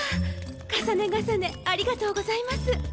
重ね重ねありがとうございます。